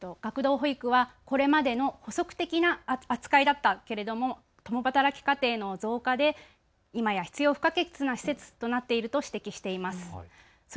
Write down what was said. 学童保育はこれまでの補足的な扱いだったけれども共働き家庭の増加で今や必要不可欠な施設となっていると指摘しています。